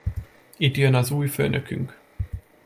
Itt jön az új főnökünk.